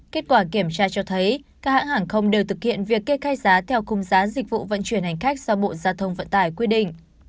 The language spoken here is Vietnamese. kết quả kiểm tra cho thấy các hãng hàng không đều thực hiện việc kê khai giá theo cung giá dịch vụ vận chuyển hành khách do bộ giao thông vận tải quy định